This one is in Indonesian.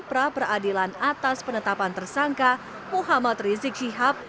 praperadilan atas penetapan tersangka muhammad rizik syihab